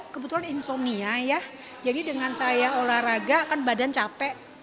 kebetulan insomnia ya jadi dengan saya olahraga kan badan capek